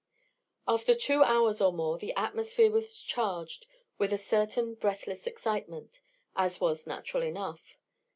After two hours or more, the atmosphere was charged with a certain breathless excitement, as was natural enough.